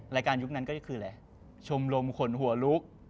รายการยุคนั้นก็คือแหละชมรมคนหัวลุก